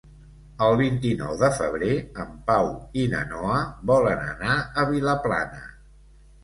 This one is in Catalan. El vint-i-nou de febrer en Pau i na Noa volen anar a Vilaplana.